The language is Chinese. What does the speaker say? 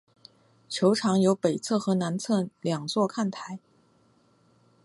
球场有北侧和南侧两座看台。